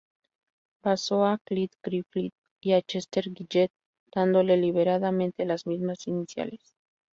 Basó a Clyde Griffiths en Chester Gillette, dándole deliberadamente las mismas iniciales.